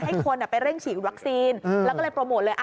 ให้คนไปเร่งฉีดวัคซีนแล้วก็เลยโปรโมทเลย